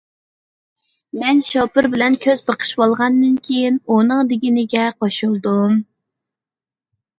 مەن شوپۇر بىلەن كۆز بېقىشىۋالغاندىن كېيىن، ئۇنىڭ دېگىنىگە قوشۇلدۇق.